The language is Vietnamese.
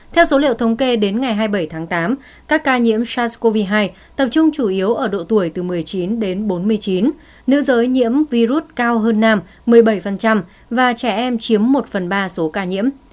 theo số liệu thống kê đến ngày hai mươi bảy tháng tám các ca nhiễm sars cov hai tập trung chủ yếu ở độ tuổi từ một mươi chín đến bốn mươi chín nữ giới nhiễm virus cao hơn nam một mươi bảy và trẻ em chiếm một phần ba số ca nhiễm